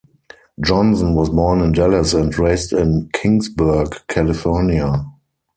Johnson was born in Dallas and raised in Kingsburg, California.